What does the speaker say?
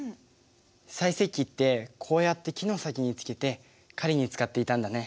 細石器ってこうやって木の先につけて狩りに使っていたんだね。